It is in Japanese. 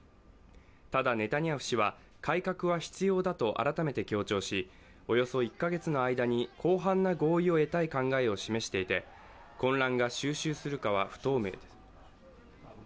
ただネタニヤフ氏は改革は必要だと改めて主張しおよそ１か月の間に広範な合意を得たい考えを示していて、混乱が収拾するかは不透明です。